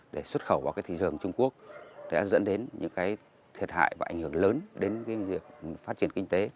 để xuất khẩu vào thị trường trung quốc sẽ dẫn đến những thiệt hại và ảnh hưởng lớn đến việc phát triển kinh tế